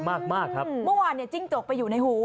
เมื่อวานจิ้งจกไปอยู่ในหู